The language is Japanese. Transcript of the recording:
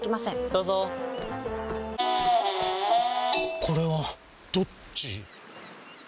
どうぞこれはどっち？